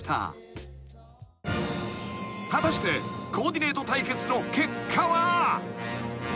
［果たしてコーディネート対決の結果は］